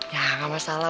ya gak masalah